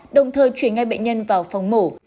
đồng thời chuyển ngay bệnh nhân vào phòng mổ